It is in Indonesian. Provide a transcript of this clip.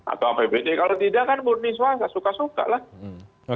atau apbd kalau tidak kan murni swasta suka suka lah